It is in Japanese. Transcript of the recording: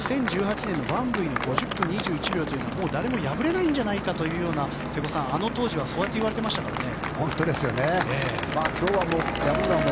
２０１８年のワンブィの５０分２１秒というのはもう誰も破れないんじゃないかというような瀬古さん、あの当時はそうやって言われていましたからね。